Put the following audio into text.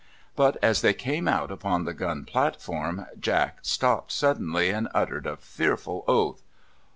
But as they came out upon the gun platform, Jack stopped suddenly, and uttered a fearful oath.